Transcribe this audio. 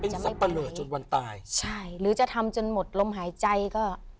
จะสับปะเลอจนวันตายใช่หรือจะทำจนหมดลมหายใจก็